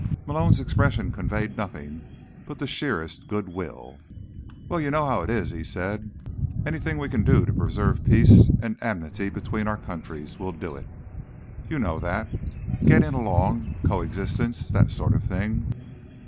Malone's expression conveyed nothing but the sheerest good will. "Well, you know how it is," he said. "Anything we can do to preserve peace and amity between our countries—we'll do it. You know that. Getting along, coexistence, that sort of thing.